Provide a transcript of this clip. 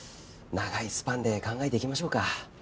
長いスパンで考えていきましょうか。